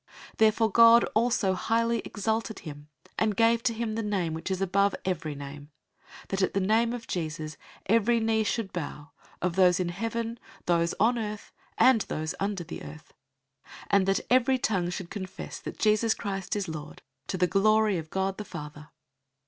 002:009 Therefore God also highly exalted him, and gave to him the name which is above every name; 002:010 that at the name of Jesus every knee should bow, of those in heaven, those on earth, and those under the earth, 002:011 and that every tongue should confess that Jesus Christ is Lord, to the glory of God the Father.